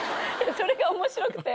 それが面白くて。